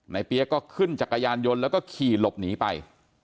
ในเปี๊ยกกล่อขึ้นจากกายานยนต์แล้วคี่หลบหนีไป